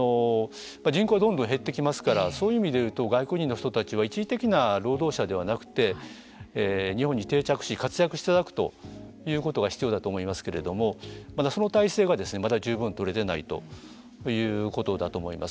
人口はどんどん減ってきますからそういう意味でいうと外国人の人たちは一時的な労働者ではなくて日本に定着し活躍していただくということが必要だと思いますけれどもまだその体制がまだ十分とれてないということだと思います。